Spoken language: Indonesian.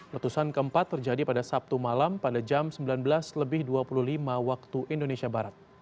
letusan keempat terjadi pada sabtu malam pada jam sembilan belas dua puluh lima wib